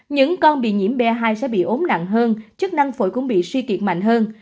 những con bị nhiễm b hai sẽ bị ốm nặng hơn chức năng phổi cũng bị suy kiệt mạnh hơn